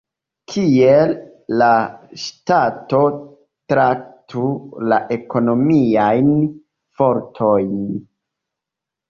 Kiel la ŝtato traktu la ekonomiajn fortojn?